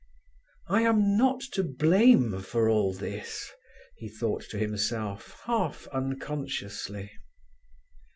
"I am not to blame for all this," he thought to himself, half unconsciously.